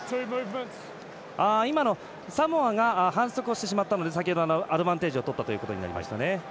サモアが反則をしてしまったので先ほど、アドバンテージをとったということになります。